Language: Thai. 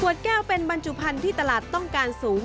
แก้วเป็นบรรจุพันธุ์ที่ตลาดต้องการสูง